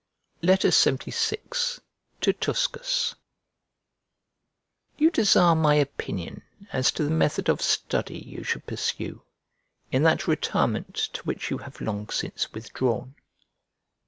LXXVI To TUSCUS You desire my opinion as to the method of study you should pursue, in that retirement to which you have long since withdrawn.